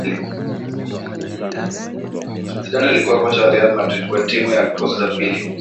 Zidane alikuwa kocha wa Real Madrid kwa timu ya kikosi cha pili